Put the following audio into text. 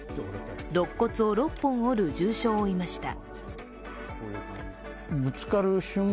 ろっ骨を６本折る重傷を負いました。